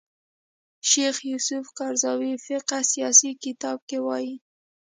شیخ یوسف قرضاوي فقه سیاسي کتاب کې وايي